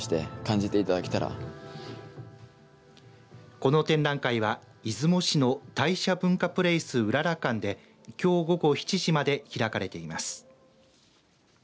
この展覧会は、出雲市の大社文化プレイスうらら館できょう午後７時まで開かれています。